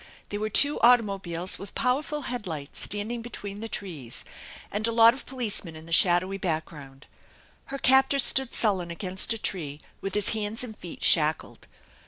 There were two automobiles with powerful headlights standing between the trees, and a lot of policemen in the shadowy background. Her captor stood sullen against a tree with his hands and feet shackled.